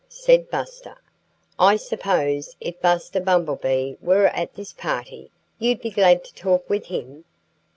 said Buster. "I suppose if Buster Bumblebee were at this party you'd be glad to talk with him?"